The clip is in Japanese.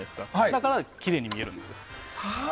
だからきれいに見えるんです。